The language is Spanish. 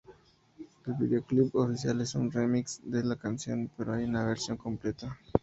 El videoclip oficial es un "remix" de la canción, pero hay una versión completa.